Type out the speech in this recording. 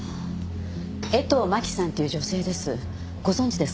江藤真紀さんという女性です。